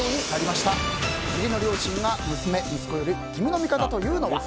義理の両親が息子／娘より君の味方だと言うのは。